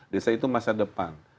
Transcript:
desa itu masa depan